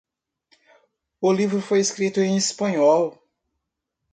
O livro foi escrito em espanhol.